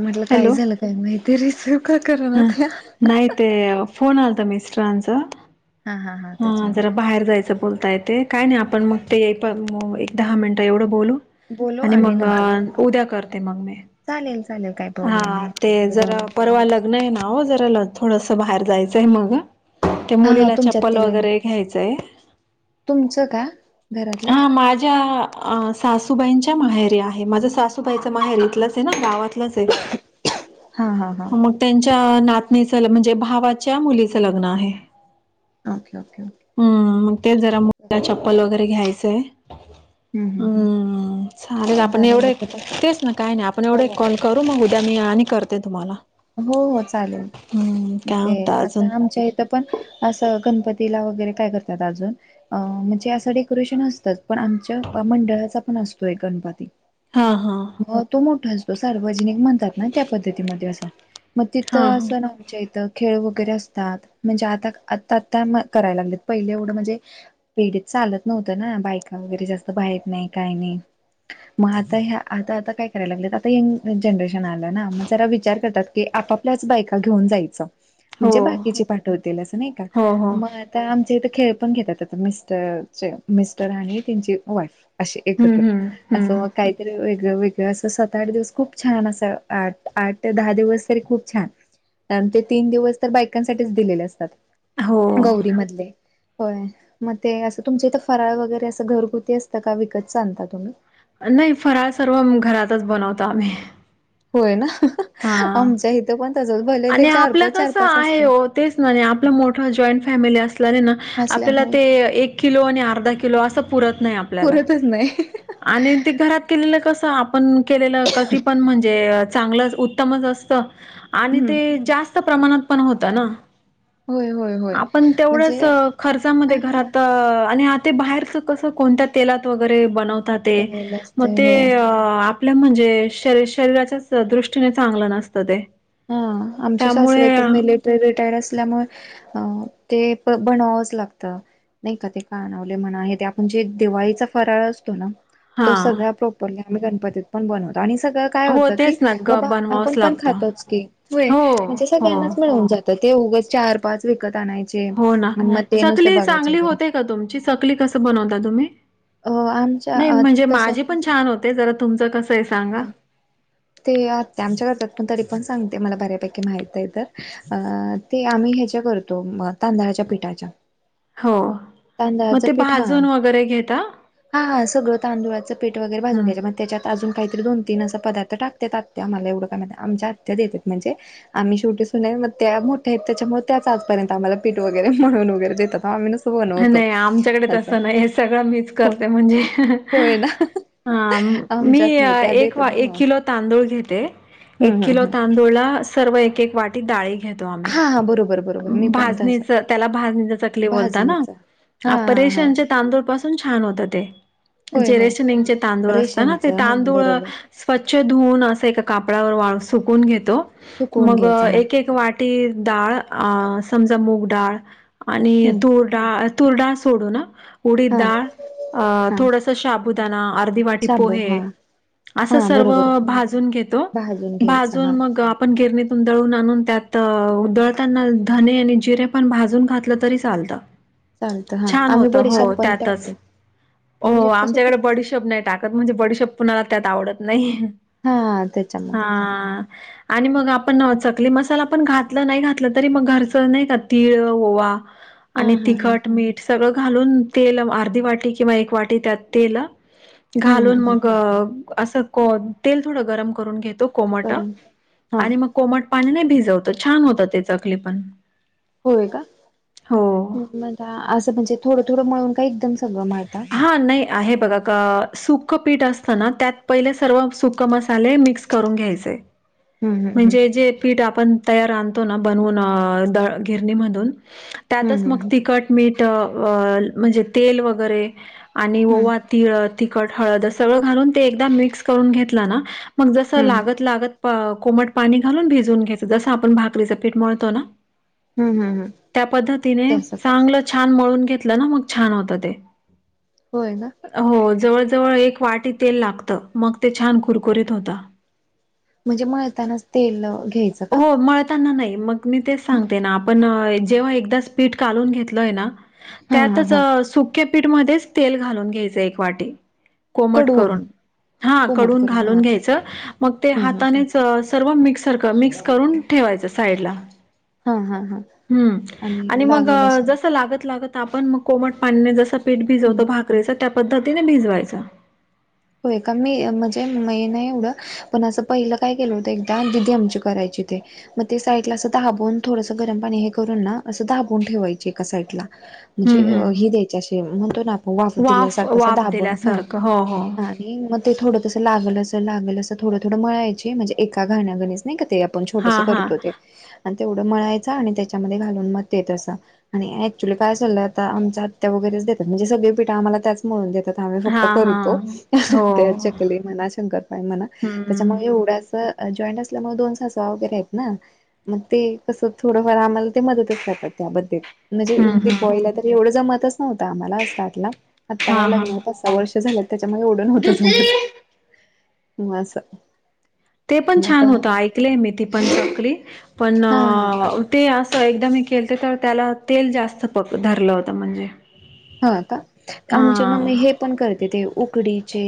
म्हटलं काय हॅलो झालं काय माहिती रिस हा नयत फोन आलता मिस्ट्र अनचा हा हा त्याच्यामुळे जरा काय बाहेर जायचं बोलता येते काय नाही आपण मग ते पण एक दहा मिनिटं एवढं बोलू बोलू आणि मग नंतर उद्या करते मग मी चालेल चालेल काही हा प्रॉब्लेम ते नाही जरा दोन तरी परवा होतील लग्न आहे ना हो जरा ल थोडस बाहेर जायचंय मग ते हा हा मुलीला तुमच्यात चप्पल ते लागेल वगैरे घ्यायचंय तुमचं का घरातलं हा माझ्या अ सासूबाईंच्या माहेरी आहे माझं सासूबाईचा माहेर इथलंच आहे ना गावात हा हा हा मग त्यांच्या नात नी म्हणजे भावाच्या मुलीच लग्न आहे ओके ओके ओके हम्म मग ते जरा मुला चप्पल वगैरे घ्यायचंय हम्म चालेल आपण काय एवढे बोलत होत तेच ना काही नाही आपण हो एवढे कॉल करू मग उद्या मी आणि करते तुम्हाला हो हो चालेल हम्म काय ते म्हणता आता अजून आमच्या इथ पण असं गणपती वर काात अ म्हणे अस ोरेशन असत पण आम मंड असतोय गणपती हा हा मग तो मोठा असतो सार्वजनिक म्हणतात ना त्या पद्धतीमध्ये असं मग हा तिथं हा असं ना आमच्या इथं खेळ वगैरे असतात म्हणजे आता आ आता करायला लागले पहिले एवढं म्हणजे पीडित चालत नव्हतं ना बायका वगैरे जास्त बात नाही काही नाही मग आता ह्या आता आता काय करायला लागले आता यंग जनरेशन आलं ना मग जरा विचार करतात क आपापल्याच बायका घेऊन जायचं हो म्हणजे बाकीचे पाठवतील अस नाही का हो हो मग आ आमच्या इ खेळ पण घेतात मिस्टरचे मिस्टर आणि त्यांची वाईफ असे हम्म एकत्र हम्म हम्म असं काहीतरी वेगळं असं सात आठ दिवस खूप छान असंठ आठ ते दहा दिवस खूप छान ते तीन दिवस तर बायकांसाठीच दिलेले असतात हो गौरी मधले होय मग ते असं तुमच्या इथं फराळ वगैरे असं घरगुती असतं का विकत चालता तुम्ही नाही फराळ सर्व घरातच बनवतो आम्ही होय ना हा आमच्या इथं पण तसच भले ते आणि चार आपलं पाच चार कस पाच आहे असतय तेच ना आपलं मोठ जॉईंट फॅमिली असल्याने ना आपल्याला असल्यामुळे ते एक किलो आणि अर्धा किलो असं पुरत नाही आपल्याला पुरतच नाही आणि ते घरात केलेलं कस आपण केलेलं की पण म्हणजे चांगलं उत्तमच असत आणि हम्म ते जास्त प्रमाणात पण होतं ना होय होय होय आपण म्हणजे तेवढंच खर्चामध्ये हा घरात आणि आ ते बाहेरच कस कोणत्या तेलात वगैरे बनवत ते तळलेलं मग असतंय ते होय आपलं म्हणजे शरी शरीराच्या दृष्टीने चांगलं नसतं ते हा आमचे शास्रे त्यामुळे तर मिलिटरी रिटायर असल्यामुळे अ ते प बनवावंच लागतं नाही का ते का आणवले म्हणा आहे ते आपण जे दिवाळीचा फराळ असतो ना हा तो सगळ्या प्रॉपरली आम्ही गणपतीत पण बनवतो आणि सगळं काय हो होतं की तेच ना ग बाबा बनवावंच आपण पण लागतं. खातोच हो म्हणजे हो सगळ्यांनाच मिळून जात ते चार पाच विकत आणायचे हो ना आणि मग ते नुसते चकली बघायचे चांगली वगैरे होते का तुमची चकली कसं बनवता तुम्ही अ आमच्या नाही आत म्हणजे माझे पण छान होते जरा तुमच कस ह ते आ ते आमच्या घतात पण तरी ण सांगते मला बऱ्यापैकी माहित आहे तर ते आम्ही ह्याच्या करतो तांदळाच्या पिठा च्या हो मग ते भाजून वगैरे घेतात हा हा सगळं तांदुळाचं पेठ वगैरे भाजून हम्म घ्यायचे मग त्याच्यात अजून काहीतरी दोन तीन अस पदार्थ टाकतात आत्या आम्हाला एवढं काय म्ह आमच्या आत्या देतात म्हणजे आम्ही शेवटीग त्या मोठ त्याच्यामुळे त्या आजर्यंत आम्हाला प वगरे म्हणूनगरेेत आ नाही आमच्याकडे तसं नाही हे सगळं मीच होय करते म्हणजे होय ना हा मी आमच्यात नाही त्या एक देतात एक बनवून किलो तांदूळ घेते एक हम्म हम्म किलो हम्म तांदूळला सर्व एक एक वाटी डाळी घेतो आम्ही हा हा बरोबर बरोबर मी पण तसंच भाजणीच त्याला भाजणीच चकली बोलता ना भाजणीचा हा अ हा हा परेशांचे तांदूळ पाासून छान होत ते होय जे होय रेशमंगचे तांदूळ असतात ना ते रेशनचं हा तांदूळ बरोबर स्वछ स्वच्छ धुऊन असं ए काडावर वा सुकून घेत सुकवून मग घ्यायचा हा एक एक वाटी डाळ समज मूग डाळ आणि हम्म तुरडाळ तुर डाळ सोडू ना उडीत हा डाळ अ हा थोडस शाबू अर्धी वाटी शाबू पोहे हा हा असं सर्व बरोबर भाजून घेतो भाजून घ्यायचं भाजून हा मग आपण गिरणीतून दळून आणून त्यात तर उदळताना धने आणि जिरे पण भाजून घातलं तरी चालतं चालतं हा छान आम्ही होतं हो बडीशाप पण त्यातच टाकतो हो बडीशाप कशात आमच्याकडे टाकायची बडशब नाही टाकत म्हणजे बडिशब पुनणाला त्यात आवडत नाही हा त्याच्यामुळे हा आणि मग आपण चकली मसाला पण घातला नाही घातलं तरी मग घरच नाही का तिळ ओवा हा आणि हा हा तिखट मीठ सगळं घालून तेल अर्धी वाटी किंवा एक वाटी त्यात तेल हम्म घालून हम्म हम्म मग अस तेल थोडं गरम करून घेतो कोमट करून हा आणि मग कोमट पाणी नाही भिजवतं छान होतं ते चकली पण होय का हो अस म्हणजे थोडं थोडंळून हा नाही आहे बघा का सुक पीठ असतना त्यात पहिले सर्व सुक मसाले मिक्स करून घ्यायचे हम्म हम्म म्हणजे जे पीठ आपण तयार आणतो ना बनवून द गिरणीमधून त्यातच हम्म हम्म मग तिखट मीठ म्हणजे तेल वगैरे आणि हम्म ओवा तिळ तिखट हळद सगळं घालून ते एकदा मिक्स करून घेतलं ना मग जसं हम्म हम्म लागत लागत कोमट पाणी घालून भिजून घ्यायचं जस आपण भाकरीच पीठ मळतो ना हम्म हम्म हम्म त्या पद्धतीने तसं चांगलं छान मळून घेतला मग छान होत ते होय ना हो जे जवळ एक वाटी तेल लागत मग ते छान कुरकुरीत होता म्हणजे मळतानाच ते हो मळताना नाही मग मी तेच सांगते ना आपण जेव्हा एकदा स्पीट कालून घेतलय ना हा हा त्यातच हा सुक्या पीठमध्येच तेल घालून घ्यायचं एक वाटी कोमट कडवून करून हा कोमट कडून करून हा घालून घ्यायचं मग ते हम्म हम्म हातानेच सर्व मिक्सर मिक्स करून ठेवायचं साईड ला हा हा हा हम्म आणि मग लागेल असं जस लागत लागत आपण मग कोमट पाणीने जस पीठ हम्म भिजवतो भाकरीच त्या पद्धतीने भिजवायच होय का मी म्हणजे म नाही एवढं पण असं पहिलं काय केलं होतं एकदा दिदी आमची करायची मग ते साईड ला असं दाबून थोडस गरम पाणी हे करून ना असं दाबून ठेवायचे एका साईड ला म्हणजे हं, हं. हि द्यायच्या म्हणतो ना आपण वाफ दिल्यासारखं अस वाफ दाबण दिल्यासारखं. हो, हो. हा आणि मग ते थोडं तसं लागल असं लागल असं थोडं थोडं म्हळायची म्हणजे एका घाण्या गणीच नाही का ते आपण छोटस हां, हां. करतो ते तेवढं म्हणायचचा आणि त्याच्यामध्ये घालून म येत अस आणि ऍक्च्युली काय ल्ललं आता आम आत्या वगैरे म्हणजे सगला त्याचात आम्ही फक्त हां, करतो हां. ते हो. चकली म्हणा शंकरबाई म्हणा त्याच्यामध्ये हम्म एवढ्या जॉईंट असल्यामुळे दोन सासवा वगैरे आहेत ना मग ते कस थोडंफार आम्हाला ते मदतच खातात त्या हम्म म्हणजे हम्म पला तर एवढं ज आ हा हा वर् त्याच्या होत दुसरी मत म ते पण छान होत ऐकले मी ती पण चकरी पण हा हा ते अस एकदाम मी केलते तर त्याला तेल जास्त पक धरलं होतं म्हणजे हा का हा आमच्या मममी हे पण करते ते उकडीचे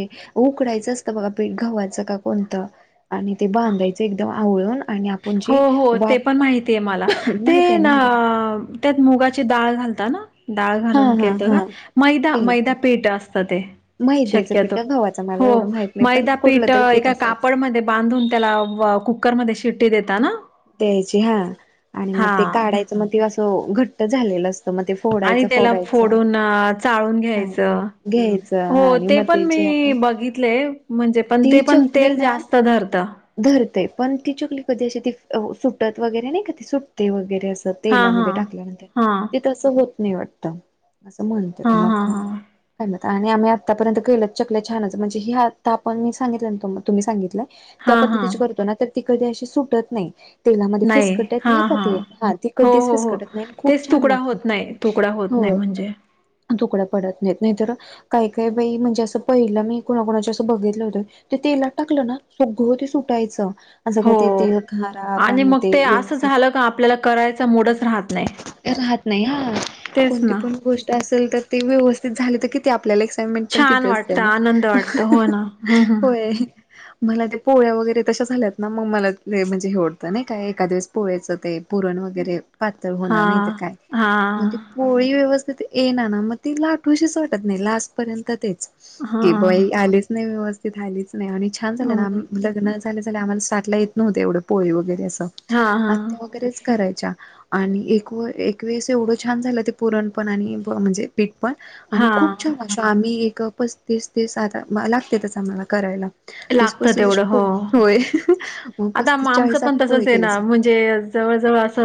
उकडायचं असतं बघा पीठ घव्हाचं का कोणतं? आणि ते बांधायचं एकदम आवळून. आणि आपण हो जी हो ते वाफ पण माहिती आहे मला ते माहित आहे ना त्यात मुगाची डाळ घालतात ना? डाळ हा घालून हा केलत का हा मैदा केलं मैदा तर पीठ असतं ते मैद्याचं पीठ शक्यतो का गव्हाचं मला हो एवढं माहित नाही पण मैदा कुठलं पीठ तरी एका असायचं कापडमध्ये बांधून त्याला कुकरमध्ये शिट्टी देता ना, द्यायची हा आणि मग ते हा काढायचं मग ते असं घट्ट झालेलं तर मग ते आणि फोडायचं त्याला फोडायचं फोडून अ, चाळून हा घ्यायचं. घ्यायचं हो आणि ते म पण तेची मी आपण बघितलय म्हणजे पण ती ते पण चपली तेल ना जास्त धरत. धरतय पण ती चुकली कधी अशी ती सुटत वगैरे नाही कधी सुटते वरे अस हा हा तेलामध्ये टाकल्यानंतर हा ते तस होत नाही वाटत असं हा म्हणतात म हा हा काय आणि आम्ही आत्तापर्यंत केलच चक छानच म्हणजे ह हे आता आपण मी सांगितलं तुम्ही सांगितलंय हा त्या हा पद्धतीची करतो ना तर ती कधी अशी सुटत नाही तेलामध्ये नाही फिसकटत हा नाही का हा ते ती हो कधीच हो हो फिसकटत नाही आणि खूप तेच छान तुकडा लागतात होत नाही तुकडा होत नाही नाही म्हणजे तुकड पडत ेत नाही तर काही काही बा म्हणजे असं पहिलं मी कुणाकुणाचे असं बघितलं होतं ते तेला टाकलं ना ग ते सुटायचं आणि हो सगळं ते तेल खराब आणि मग ते असं व्यवस्थित झालं का आपल्याला करायचं मोडच राहत नाही. राहत नाही हा तेच कोणती ना. पण गोष्ट असेल तर ते व्यवस्थित झाले तर कि ते आपल्याला एक मेंट पण छान किती असते वाटत ना आनंद वाटत हो ना हम्म हम्म होय. मला ते पोळ्या वगैरे तशा झाल्यात ना मग मला ते म्हणजे हेवडतं नाही काय एका दिवस पोळ्याचं ते पुरण वगैरे पातळ हा होणार नाही तर काय हा म्हणजे पोळी व्यवस्थ तर ते ये ना ना मग ती लाठूशीच वाटत नाही लाट पर्यंत ते कि बाई हा आलेच नाही व्यवस्थित आलीच नाही आणि छान झालं ना आम्ही लग्न झालं झा आम्हाला स्टाला येतव्हते एवढे पोळी वगैरे अस हा हा आ वगैरेच करायच्या आणि एक व एक वेळेस एवढं छान झालं ते पुरणपण आणि म्हणजे पठ पण आणि हा खूप छान अस आम्ही एक पस्तीस तेस आ लागते त्याच आम्हाला करायला. तीस लागतं पस्तीसय तेवढं हो मग आता पस्तीस आमचं चाळीसात पण पोळे तसंच आहे केले. ना म्हणजे जवळ जवळ अस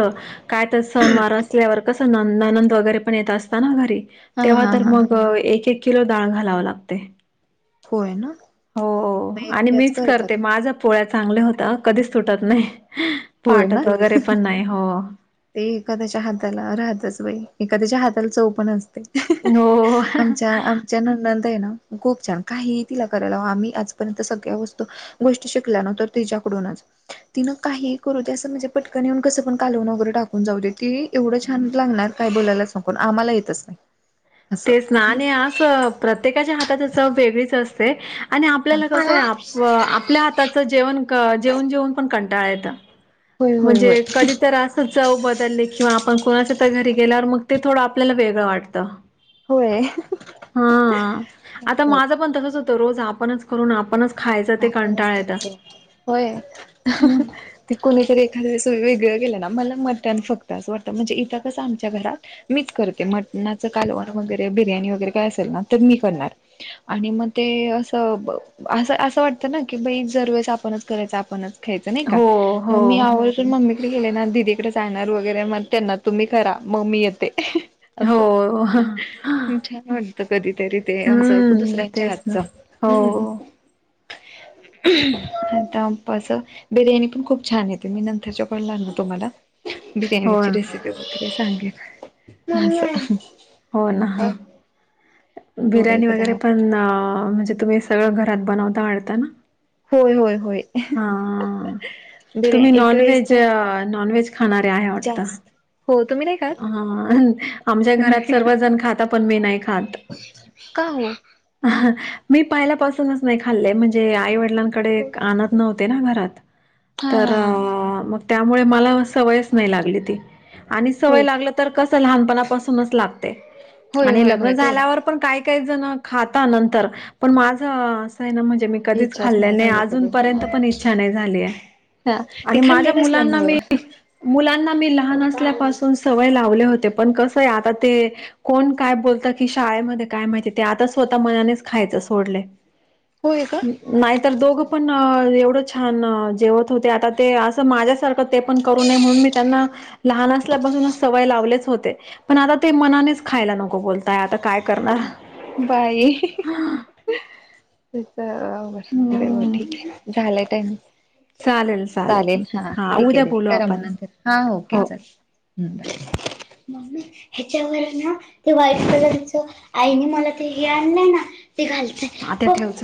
काय तर सण वार असल्यावर कसं नंद आनंद वगैरे पण येत असताना घरी हा तेव्हा हा तर हा. मग एक एक किलो डाळ घालाव लागते. होय ना हो मग आणि एकट्याच मीच करते करतात माझा पोळ्या चांगल्या होत कधीच तुटत नाही. होय ना फटत वगैरे पण नाही हो ते एखाद्याच्या हाताला राहतच बाई एखाद्याच्या हाताला चव पण असत हो आमच्या आमच्या न नंतर खूप छान काही तिला करायला हव आम्ही आजपर्यंत सगळ्या वस्तू गोष्टी शिकला नो तर तुझ्या त काही करू म्हणे पटनऊन कसणलव टाकून जाऊ दे की एवढं छान लागणार काय बोलायला सगून आम्हाला येतच नाही. असं. ते स्नान हे आ प्रत्येकाच्या हातातच वेगळीच असते. आणि आपल्याला कसं आहे आप आपल्या हाताचं जेवण जेवन जेवन पण कंटाळायेतं. होय होय म्हणजे होय कधी तर अस जाऊ बदलले किंवा, पण कुणाचं तर घरी गेल्यावर मग ते थोडं आपल्याला वेगळं वाटतं. होय हा आता असं होतं. माझं पण तसच रोज आपणच करून आपणच खायचं ते आपणच कंटाळा येतं. खायचो होय हं. ते कोणीतरी एखाद्यास वेगळ मला मटण फक्त अस वाटत म्हणजे इथं अस आमच्या घरात मीच करते, मटनाच कालवण वा वगैरे बिर्याणी वगैरे असेल ना तर ते मी करणार, आणी मग ते अस असं वाटतं ना की बाई जर वेळीस आपणच करायचं आपणच खायच नाही का हो मग हो मी आवर्जुन मम्मीकडे गेले ना - तिकडे जागणार वगैरे मग त्यांना तुम्ही करा मम्मी येते. हो असं छान म्हणत कधी तरी ते असं हम्म दुसऱ्यांच्या तेच ना हातच हो हम्. आतां बिर्याणी पण खूप छान आहेेत मी नंतरच्याकडलाल ना तुम्हाला हो बिर्याणीची ना रेसिपी वगैरे सांगेन. हो ना ह थोडं बिरणी वगरे एकदा पण म्हणजे तुम्ही सगळं घ ात बनवता आढताना. होय होय होय हा बिर्याणी तुम्ही एक वेळेस नॉनवज तर नॉनवज खाणारे आहे वाटत. जास्त हो तुम्ही नाही खात हा आमच्या घरात नाही सर्वात जण खाता पण मेनाय का हो मी पहिपस नाही खाल् म्हणजे आईव लांकडे आणत नव्हते ना घरात हा तर हा हा मग त्यामुळे मला सवयच नाही लागली ती. वय होय का लाग तर कस लहानपणापासूनच लागते होय होय लग्न होय तेवढा झाल्यावर पण काय का जण खाता नंतर पण माझ ना म्हणजे मी कधीच इच्छाच खाल्ले नाही झाली कधी अजूनपर्यंत हा पण इच्छा नाही झालीय हा ते आणि खाल्ली माझ्या मुलांना नसल्यामुळं मी मुलांना मी लहान असल्या सवय लावले होते पण कसय आता ते कोण काय बोलत की शाळेमध्ये काय माहिती ते आता स्वत मनाने खायच सोडलय होय का नाहीतर दोघ पण एवढं छान जेवत होते आता ते असं माझ्यासारखं ते पण करू नये म्हणून म त्यांना लहान असल्या पासुनच सवय लावलेच होते पण आता ते मनानेच खायला नको बोलताय आता काय करणार बाई च बर बरोबर हम्म ठीक आहे झालंय टइम चालेल चालेल हा ठीक उद्या आहे ते बोलू करा मग आपण नंतर हा ओके चालेल बाय म ह्याच्यावर ना ते व्हाईट कलरच आईने मला ते हे आणलंय ना [unintelligible]